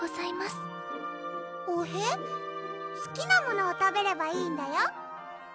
すきなものを食べればいいんだよ